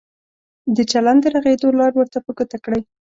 د چلند د رغېدو لار ورته په ګوته کړئ.